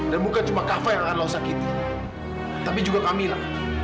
dan bukan cuma kava yang akan lo sakiti tapi juga kamila